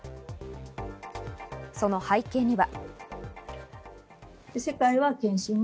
その背景には。